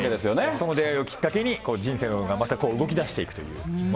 その出会いをきっかけに、人生がまた動きだしていくという物